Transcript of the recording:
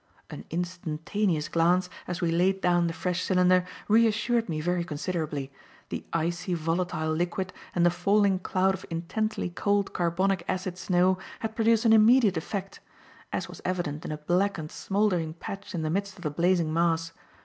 An instantaneous glance, as we laid down the fresh cylinder, reassured me very considerably. The icy, volatile liquid and the falling cloud of intensely cold carbonic acid snow had produced an immediate effect; as was evident in a blackened, smouldering patch in the midst of the blazing mass.